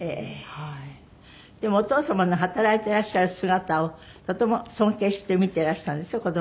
でもお父様の働いていらっしゃる姿をとても尊敬して見てらしたんですって？